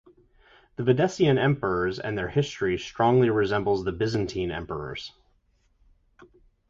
The Videssian emperors and their history strongly resemble the Byzantine emperors.